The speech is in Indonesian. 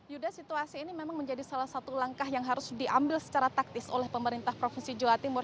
yuda situasi ini memang menjadi salah satu langkah yang harus diambil secara taktis oleh pemerintah provinsi jawa timur